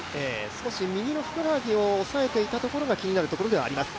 少し右のふくらはぎを押さえていたのが気になるところではあります。